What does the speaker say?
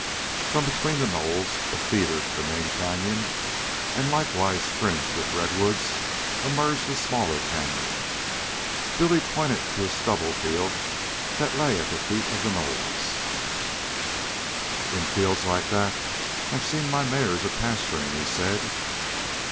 From between the knolls, a feeder to the main canyon and likewise fringed with redwoods, emerged a smaller canyon. Billy pointed to a stubble field that lay at the feet of the knolls. "It's in fields like that I've seen my mares a pasturing," he said.